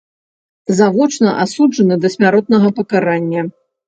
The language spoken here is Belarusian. Завочна асуджаны да смяротнага пакарання.